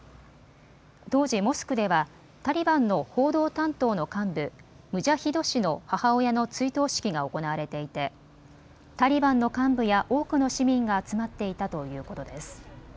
当時モスクではタリバンの報道担当の幹部、ムジャヒド氏の母親の追悼式が行われていてタリバンの幹部や多くの市民が集まっていたということです。